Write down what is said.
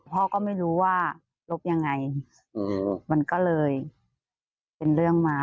พ่อก็ไม่รู้ว่าลบยังไงมันก็เลยเป็นเรื่องมา